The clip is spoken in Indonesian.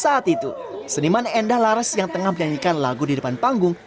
saat itu seniman endah laras yang tengah menyanyikan lagu di depan panggung